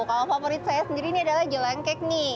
kalau favorit saya sendiri ini adalah jelang kek nih